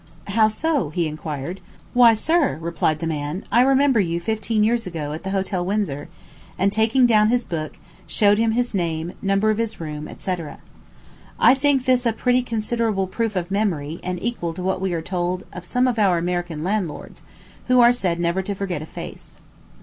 "How so?" he inquired. "Why, sir," replied the man, "I remember you fifteen years ago, at the Hotel Windsor;" and taking down his book, showed him his name, number of his room, &c. This I think a pretty considerable proof of memory, and equal to what we are told of some of our American landlords, who are said never to forget a face.